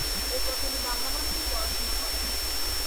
এরপর তিনি বাংলা মাধ্যমে পড়াশোনা করেন।